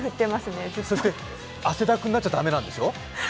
そして汗だくになっちゃ駄目なんでしょ？